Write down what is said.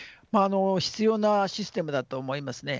必要なシステムだと思いますね。